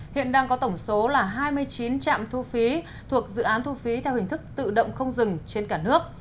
hiện đang có tổng số là hai mươi chín trạm thu phí thuộc dự án thu phí theo hình thức tự động không dừng trên cả nước